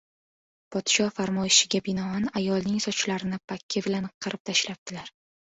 Podsho farmoyishiga binoan, ayolning sochlarini pakki bilan qirib tashlabdilar!